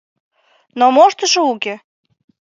Но моштышо уке.